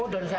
oh dari sana